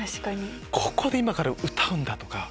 ここで今から歌うんだとか。